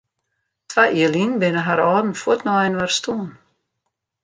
Twa jier lyn binne har âlden fuort nei inoar stoarn.